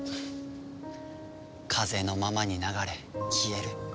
風のままに流れ消える。